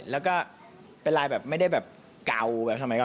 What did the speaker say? แล้วก็เป็นลายแบบไม่ได้แบบเก่าแบบทำไม